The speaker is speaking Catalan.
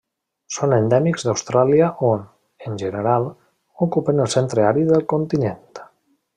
Són endèmics d'Austràlia on, en general, ocupen el centre àrid del continent.